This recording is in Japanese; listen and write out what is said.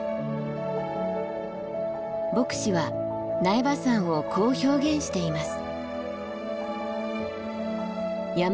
牧之は苗場山をこう表現しています。